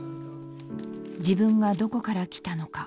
自分がどこから来たのか。